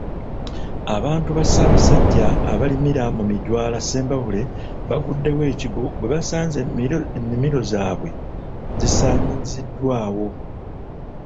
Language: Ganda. Abantu ba Ssaabasajja abalimira mu Mijwala Ssembabule, baaguddewo ekigwo bwe baasanze ennimiro zaabwe zisaanyiziddwawo.